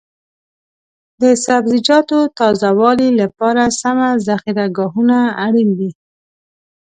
د سبزیجاتو تازه والي لپاره سمه ذخیره ګاهونه اړین دي.